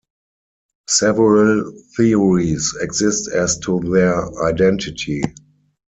Several theories exist as to their identity.